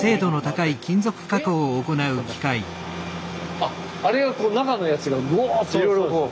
あっあれが中のやつがぐおっていろいろこう。